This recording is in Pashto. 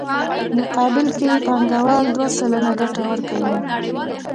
په مقابل کې یې بانکوال دوه سلنه ګټه ورکوي